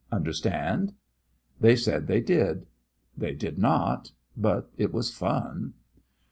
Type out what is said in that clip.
Understand?" They said they did. They did not. But it was fun.